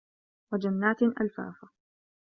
وَجَنّاتٍ أَلفافًا